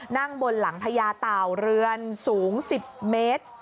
นั่งบนหลังพญาเต่าเรือนสูง๑๐เมตร